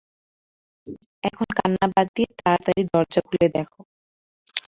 এখন কান্না বাদ দিয়ে তাড়াতাড়ি দরজা খুলে দেখো!